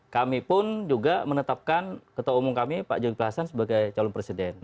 kami pun juga menetapkan ketua umum kami pak jody plasan sebagai calon presiden